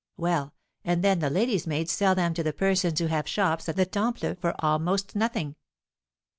Well, and then the ladies' maids sell them to the persons who have shops at the Temple for almost nothing.